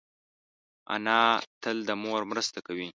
انا تل د مور مرسته کوي